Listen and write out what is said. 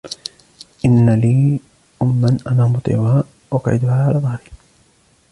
إنَّ لِي أُمًّا أَنَا مُطِيعُهَا أُقْعِدُهَا عَلَى ظَهْرِي